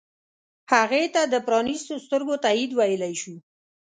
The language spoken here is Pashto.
هغې ته د پرانیستو سترګو تایید ویلی شو.